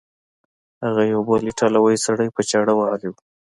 هغه یو بل ایټالوی سړی په چاړه وهلی و.